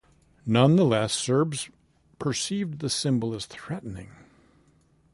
Nonetheless, Serbs perceived the symbol as threatening.